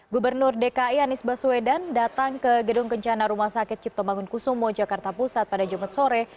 gubernur dki anies baswedan datang ke gedung kencana rumah sakit cipto bangun kusumo jakarta pusat pada jumat sore